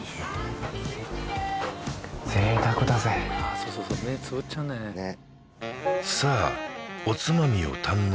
そうそうそう目つむっちゃうんだよねさあ